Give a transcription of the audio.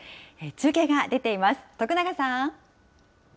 中継が出ています。